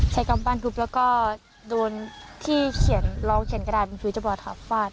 ใช้กำปั้นทุบแล้วก็โดนที่เขียนรองเขียนกระดาษเป็นผู้จบอดครับ